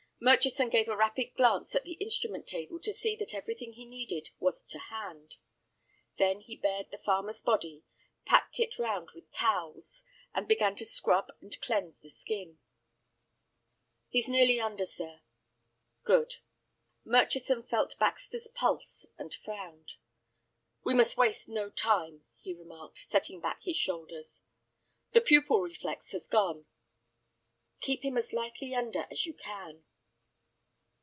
Murchison gave a rapid glance at the instrument table to see that everything he needed was to hand. Then he bared the farmer's body, packed it round with towels, and began to scrub and cleanse the skin. "He's nearly under, sir." "Good." Murchison felt Baxter's pulse, and frowned. "We must waste no time," he remarked, setting back his shoulders. "The pupil reflex has gone." "Keep him as lightly under as you can."